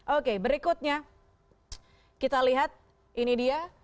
oke berikutnya kita lihat ini dia